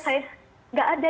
oh nggak ada